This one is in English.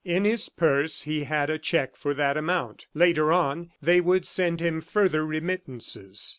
In his purse he had a check for that amount. Later on, they would send him further remittances.